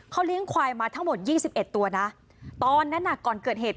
เขาเลี้ยงควายมาทั้งหมด๒๑ตัวนะตอนนั้นก่อนเกิดเหตุ